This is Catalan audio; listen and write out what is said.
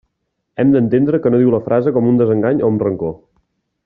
Hem d'entendre que no diu la frase com un desengany o amb rancor.